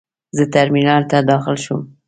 زه ترمینل ته داخل شوم.